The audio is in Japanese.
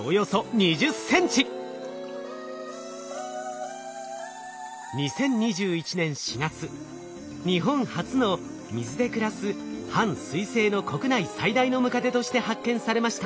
２０２１年４月日本初の水で暮らす半水生の国内最大のムカデとして発見されました。